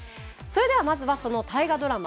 まずは、その大河ドラマ